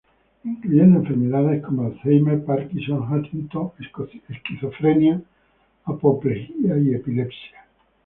Incluyendo enfermedades como Alzheimer, Parkinson, Huntington, esquizofrenia, apoplejía y epilepsia.